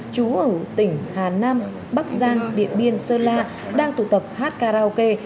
chú ở tỉnh hà nam bắc giang điện biên sơn la đang tụ tập hát karaoke